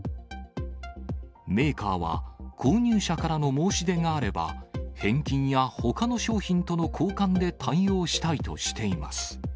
メーカーは、購入者からの申し出があれば、返金やほかの賞品との交換で対応したいとしています。